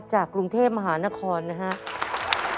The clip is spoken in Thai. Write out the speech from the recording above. จากกรุงเทพมหานครนะครับ